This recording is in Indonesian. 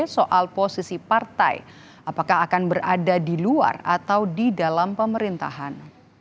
soal posisi partai apakah akan berada di luar atau di dalam pemerintahan